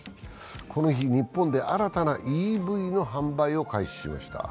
この日、日本で新たなＥＶの販売を開始しました。